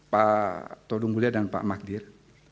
pak todunggulia dan pak magdir